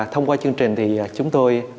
thông qua chương trình thì chúng tôi